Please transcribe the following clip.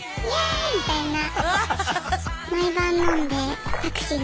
はい。